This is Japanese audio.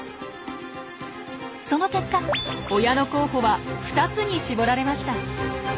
その結果親の候補は２つに絞られました。